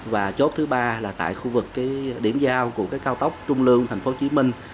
và chốt thứ ba là tại khu vực điểm giao của cái cao tốc trung lương thành phố hồ chí minh